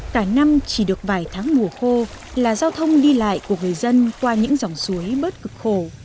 cả năm chỉ được vài tháng mùa khô là giao thông đi lại của người dân qua những dòng suối bớt cực khổ